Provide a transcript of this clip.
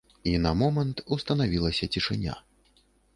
І на момант устанавілася цішыня.